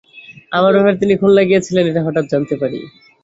আমার ব্যাপারে তিনি খুলনা গিয়েছিলেন, এটা হঠাৎ জানতে পারি।